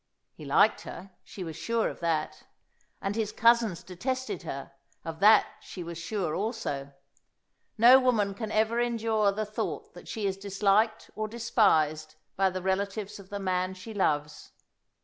He liked her, she was sure of that. And his cousins detested her, of that she was sure also. No woman can ever endure the thought that she is disliked or despised by the relatives of the man she loves.